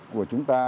của chúng ta